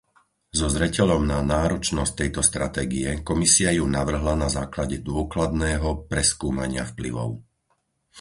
So zreteľom na náročnosť tejto stratégie, Komisia ju navrhla na základe dôkladného preskúmania vplyvov.